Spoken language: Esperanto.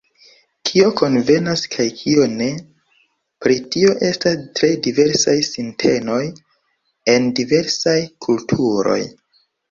Kio konvenas kaj kio ne, pri tio estas tre diversaj sintenoj en diversaj kulturoj.